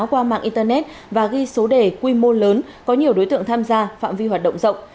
qua mạng internet và ghi số đề quy mô lớn có nhiều đối tượng tham gia phạm vi hoạt động rộng